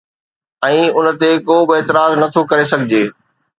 ۽ ان تي ڪو به اعتراض نه ٿو ڪري سگهجي